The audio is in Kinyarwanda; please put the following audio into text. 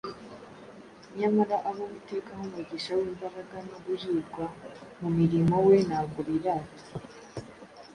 Nyamara abo Uwiteka aha umugisha w’imbaraga no guhirwa mu murimo we ntabwo birata.